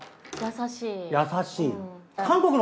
優しい？